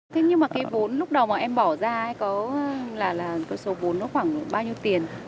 thế nhưng mà cái vốn lúc đầu mà em bỏ ra ấy có là cái số vốn nó khoảng bao nhiêu tiền